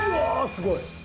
すごい！